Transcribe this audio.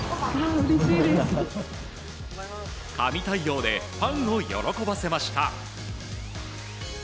神対応でファンを喜ばせました。